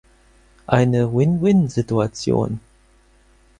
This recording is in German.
Eine Win-Win-Situation.